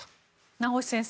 名越先生